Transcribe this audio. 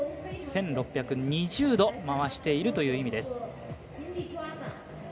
１６２０度回しているという意味です。